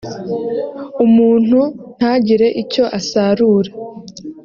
umuntu ntagire icyo asarura